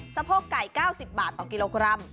สะโพกไก่๙๐บาทต่อกิโลกรัม